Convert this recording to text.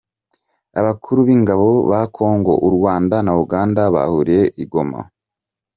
Abakuru b’Ingabo ba congo, u Rwanda na Uganda bahuriye i Goma